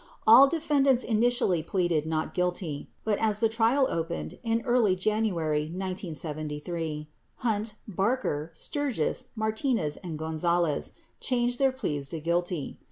All defend ants initially pleaded not guilty. But, as the trial opened in early January 1973, Hunt, Barker, Sturgis, Martinez, and Gonzales changed their pleas to guilty.